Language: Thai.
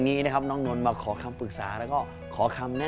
เขามาผสมกันได้